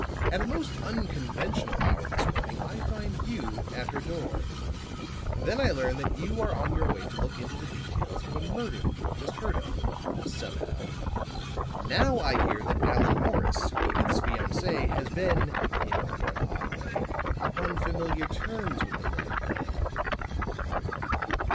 At a most unconventional hour this morning I find you at her door. Then I learn that you are on your way to look into the details of a murder that you had just heard of somehow. Now I hear that Allan Morris, Edyth's fiancé, has been, in rather an odd way, upon familiar terms with the murdered man."